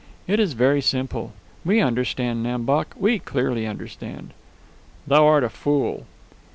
It is very simple. We understand, Nam Bok. We clearly understand." "Thou art a fool!"